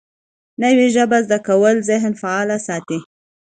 نوې ژبه زده کول ذهن فعال ساتي